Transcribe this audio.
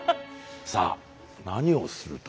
さあ何をすると。